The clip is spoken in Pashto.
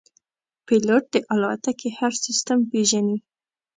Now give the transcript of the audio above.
پیلوټ د الوتکې هر سیستم پېژني.